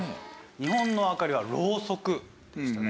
日本の明かりはろうそくでしたね。